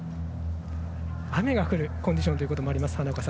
雨が降るコンディションということもあります。